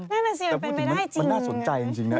นั่นแหละสิมันเป็นไปได้จริงเลยนะอืมแล้วพูดถึงมันน่าสนใจจริงนะ